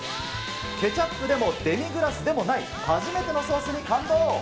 ケチャップでもデミグラスでもない、初めてのソースに感動。